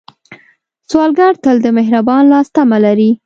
سوالګر تل د مهربان لاس تمه لري